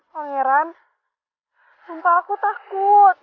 pangeran sumpah aku takut